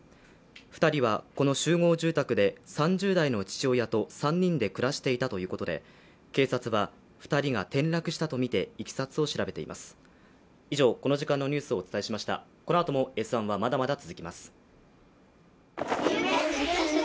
２人はこの集合住宅で３０代の父親と３人で暮らしていたということで、警察は２人が転落したとみていきさつを調べています。